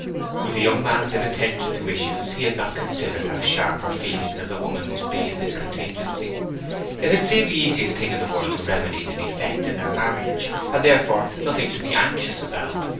With a young man's inattention to issues he had not considered how sharp her feelings as a woman must be in this contingency. It had seemed the easiest thing in the world to remedy the defect in their marriage, and therefore nothing to be anxious about.